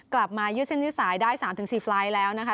ยืดเส้นยืดสายได้๓๔ไฟล์แล้วนะคะ